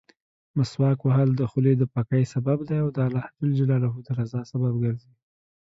مسواک وهل د خولې دپاکۍسبب دی او د الله جل جلاله درضا سبب ګرځي.